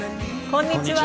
こんにちは。